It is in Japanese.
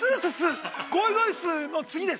◆ゴイゴイスーの次です。